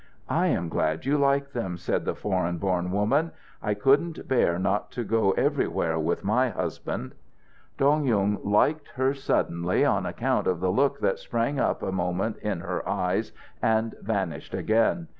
"I am glad you like them," said the foreign born woman. "I couldn't bear not to go everywhere with my husband." Dong Yung liked her suddenly on account of the look that sprang up a moment in her eyes and vanished again.